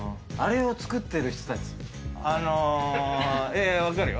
あれを作ってる人たち。